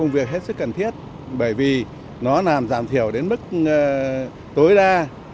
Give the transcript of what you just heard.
bởi vì nó làm giảm thiểu đến mức tối đa